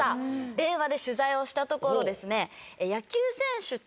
電話で取材をしたところ。